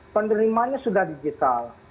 penderimanya sudah digital